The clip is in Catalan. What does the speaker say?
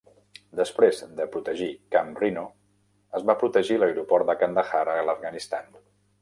Després de protegir Camp Rhino, es va protegir l"Aeroport de Kandahar a Afghanistan.